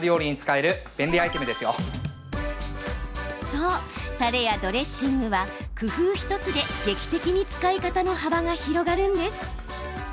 そう、たれやドレッシングは工夫１つで劇的に使い方の幅が広がるんです。